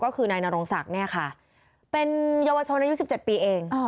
ก็คือนายนโรงศักดิ์เป็นเยาวชนายุ๑๗ปีเอง